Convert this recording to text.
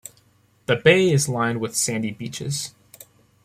The bay is lined with sandy beaches.